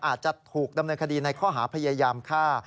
อาจจะถูกดำเนินคดีในข้อหาพยายามฆ่า